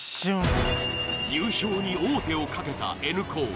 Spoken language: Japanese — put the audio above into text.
優勝に王手をかけたＮ高。